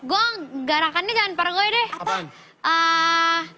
gue garakannya jangan pargo ya deh